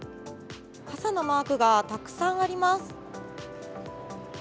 傘のマークがたくさんあります。